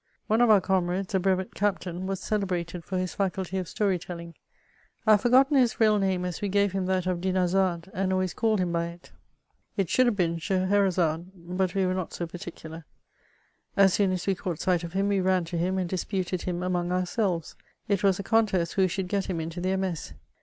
One of our comrades, a brevet captain, was celebrated £oc his faculty of stoiy telling ; I have forgotten his real name, as we gave him that of Dinarzade, and always called him by it ; it 2 d2 350 IIEMOIBS OF ehould haye been Scheherazade^ but we were not so particular As soon as we caught sight of him we ran to him, and dis puted him among ourselyes ; it was a contest who should get him into their mess.